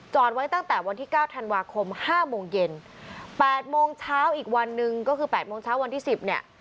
จอดไว้ตั้งแต่วันที่๙ธันวาคม๕โมงเย็น๘โมงเช้าอีกวันหนึ่งก็คือ๘โมงเช้าวันที่๑๐เนี่ย